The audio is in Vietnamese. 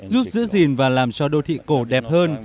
giúp giữ gìn và làm cho đô thị cổ đẹp hơn